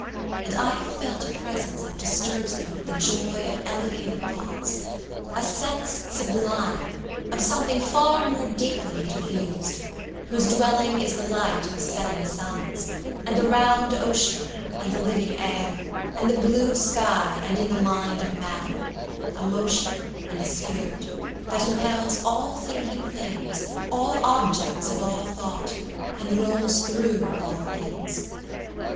And I have felt A presence that disturbs me with the joy Of elevated thoughts; a sense sublime Of something far more deeply interfused, Whose dwelling is the light of setting suns, And the round ocean and the living air, And the blue sky, and in the mind of man; A motion and a spirit, that impels 100 All thinking things, all objects of all thought, And rolls through all things.